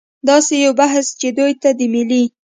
داسې یو بحث چې دوی ته د ملي